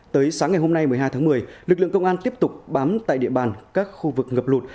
tới sáng ngày hôm nay một mươi hai tháng một mươi lực lượng công an tiếp tục bám tại địa bàn các khu vực ngập lụt